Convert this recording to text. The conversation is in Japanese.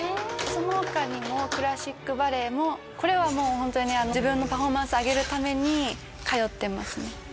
その他にもクラシックバレエもこれはもうホントに自分のパフォーマンス上げるために通ってますね